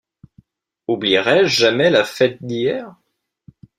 Oublierai-je jamais la fête d’hier?